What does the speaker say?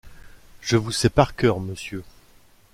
Je vous sais par cœur, monsieur.